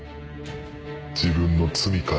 自分の罪から。